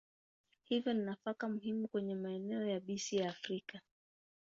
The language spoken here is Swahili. Hivyo ni nafaka muhimu kwenye maeneo yabisi ya Afrika.